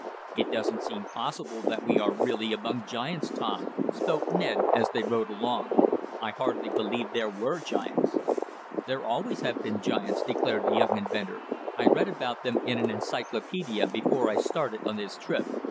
"It doesn't seem possible that we are really among giants, Tom," spoke Ned, as they rode along. "I hardly believed there were giants." "There always have been giants," declared the young inventor. "I read about them in an encyclopedia before I started on this trip.